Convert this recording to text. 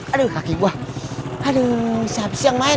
aduh haki buah aduh siap siap main